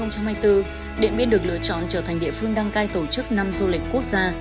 năm hai nghìn hai mươi bốn điện biên được lựa chọn trở thành địa phương đăng cai tổ chức năm du lịch quốc gia